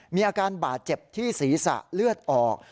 มีอาการบาดเจ็บที่ศีรษะเลือดออก